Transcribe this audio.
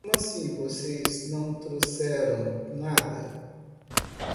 Como assim vocês não trouxeram nada?